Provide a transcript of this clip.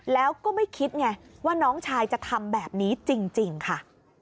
แล้วก็ไม่คิดไงว่าน้องชายจะทำแบบนี้จริงค่ะ